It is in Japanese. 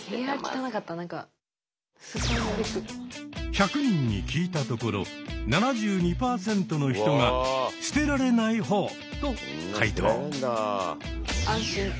１００人に聞いたところ７２％の人が「捨てられないほう」と回答。